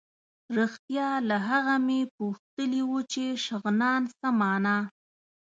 رښتیا له هغه مې پوښتلي وو چې شغنان څه مانا.